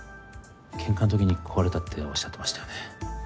ケンカの時に壊れたっておっしゃってましたよね？